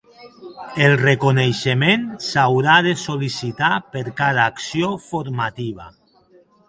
El reconeixement s'haurà de sol·licitar per cada acció formativa.